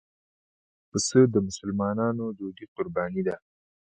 پسه د مسلمانانو دودي قرباني ده.